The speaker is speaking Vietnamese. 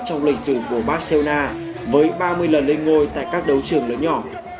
trong lịch sử của barceuna với ba mươi lần lên ngôi tại các đấu trường lớn nhỏ